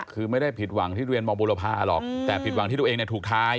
คือไม่ได้ผิดหวังที่เรียนมบุรพาหรอกแต่ผิดหวังที่ตัวเองถูกท้าย